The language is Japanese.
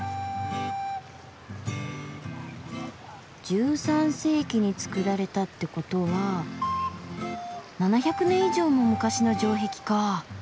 １３世紀に造られたってことは７００年以上も昔の城壁かぁ。